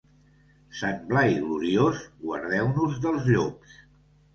Sant Blai gloriós, guardeu-nos dels llops.